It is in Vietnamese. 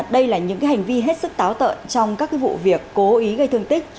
đây là những hành vi hết sức táo tợn trong các vụ việc cố ý gây thương tích